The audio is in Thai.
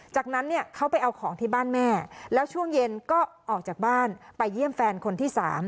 จากนั้นเนี่ยเขาไปเอาของที่บ้านแม่แล้วช่วงเย็นก็ออกจากบ้านไปเยี่ยมแฟนคนที่๓